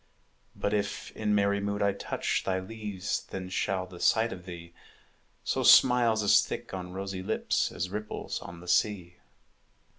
But if in merry mood I touch Thy leaves, then shall the sight of thee Sow smiles as thick on rosy lips As ripples on the sea.